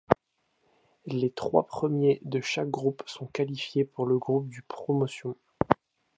Les trois premiers de chaque groupe sont qualifiés pour le groupe de promotion.